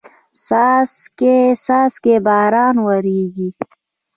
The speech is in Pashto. څاڅکي څاڅکي باران وریږي